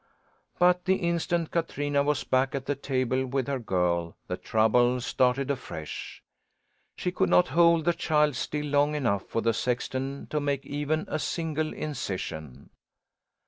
But the instant Katrina was back at the table with her girl the trouble started afresh. She could not hold the child still long enough for the sexton to make even a single incision.